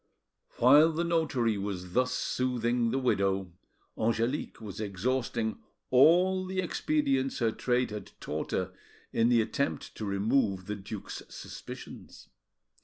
While the notary was thus soothing the widow, Angelique was exhausting all the expedients her trade had taught her in the attempt to remove the duke's suspicions.